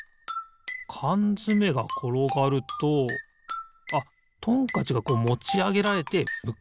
かんづめがころがるとあっトンカチがこうもちあげられてむこうがわにたおれんだ。